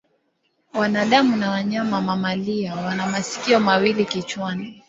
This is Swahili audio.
Wanadamu na wanyama mamalia wana masikio mawili kichwani.